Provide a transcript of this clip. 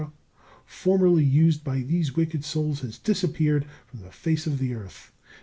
formerly used by these wicked souls has disappeared from the face of the earth.